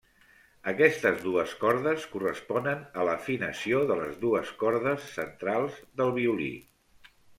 Aquestes dues cordes corresponen a l'afinació de les dues cordes centrals del violí.